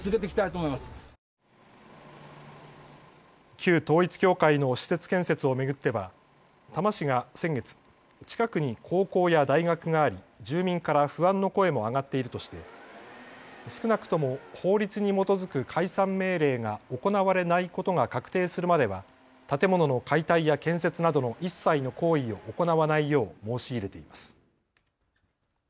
旧統一教会の施設建設を巡っては多摩市が先月、近くに高校や大学があり住民から不安の声も上がっているとして少なくとも法律に基づく解散命令が行われないことが確定するまでは建物の解体や建設などの一切の行為を行わないよう申し入れています。